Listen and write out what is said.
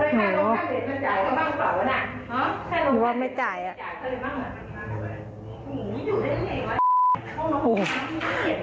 หูว่าไม่จ่ายอ่ะ